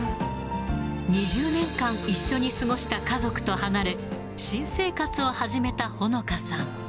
２０年間、一緒に過ごした家族と離れ、新生活を始めたほのかさん。